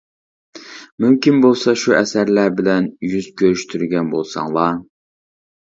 مۇمكىن بولسا شۇ ئەسەرلەر بىلەن يۈز كۆرۈشتۈرگەن بولساڭلار.